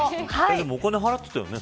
でも、お金払ってたよね